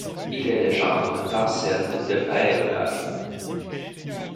Il est le gendre d'Anselme de Peellaert.